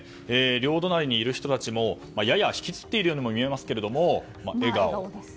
両隣にいる人たちもやや引きつっているようにも見えますけれども笑顔です。